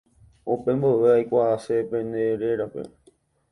Upe mboyve aikuaase pende réra